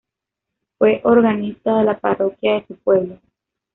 Fue organista de la parroquia de su pueblo.